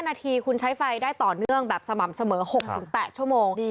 นาทีคุณใช้ไฟได้ต่อเนื่องแบบสม่ำเสมอ๖๘ชั่วโมง